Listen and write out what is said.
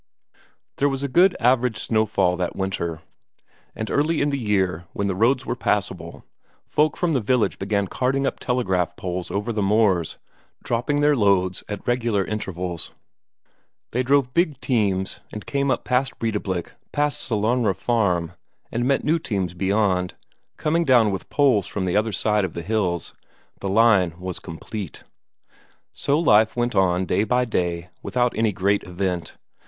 There was a good average snowfall that winter, and early in the year, when the roads were passable, folk from the village began carting up telegraph poles over the moors, dropping their loads at regular intervals. They drove big teams, and came up past Breidablik, past Sellanraa farm, and met new teams beyond, coming down with poles from the other side of the hills the line was complete. So life went on day by day, without any great event.